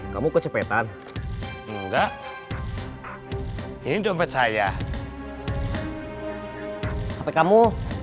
kamu kecepetan enggak ini dompet saya hp kamu